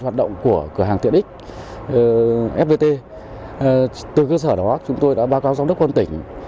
học viên của cửa hàng tiện x fpt từ cơ sở đó chúng tôi đã báo cáo cho quân tỉnh